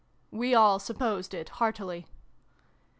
" We all supposed it, heartily.